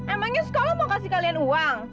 emangnya sekolah mau kasih kalian uang